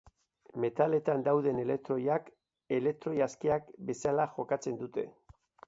Metaletan dauden elektroiak, elektroi askeak bezala jokatzen dute.